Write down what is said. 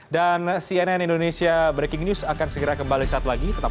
dan cnn indonesia breaking news akan segera kembali saat lepas